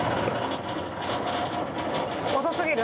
遅すぎる？